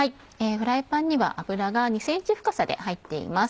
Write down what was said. フライパンには油が２ｃｍ深さで入っています。